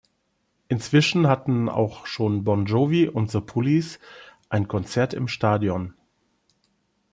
Inzwischen hatten auch schon Bon Jovi und The Police ein Konzert im Stadion.